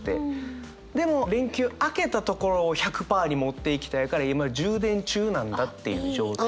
でも連休明けたところを１００％に持っていきたいから今充電中なんだっていう状態。